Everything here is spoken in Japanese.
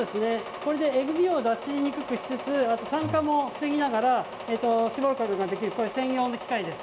これでえぐみを出しにくくしつつ、酸化も防ぎながら、搾ることができる、これ専用の機械です。